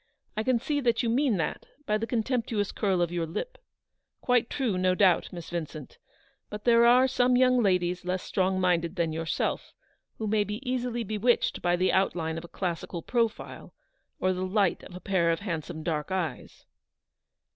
I can see that you mean that by the contemptuous curl of your lip. Quite true, no doubt, Miss Vincent ; but there are some young ladies less strong minded than yourself, who may be easily bewitched by the outline of a classical pro file, or the light of a pair of handsome dark eyes.